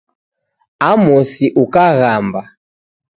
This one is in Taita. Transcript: Amosi ukaghamba